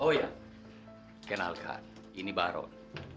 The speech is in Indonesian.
oh ya kenalkan ini baron